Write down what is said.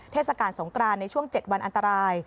เทศกาลสงกรานในช่วง๗วันอันตราย